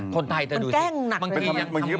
คนไทยจะดูสิมันแก้งหนักเลย